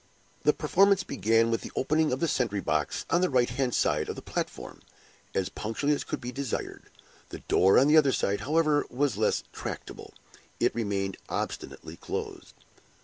The performance began with the opening of the sentry box on the right hand side of the platform, as punctually as could be desired; the door on the other side, however, was less tractable it remained obstinately closed.